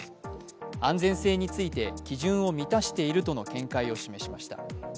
安全性について基準を満たしているとの見解を示しました。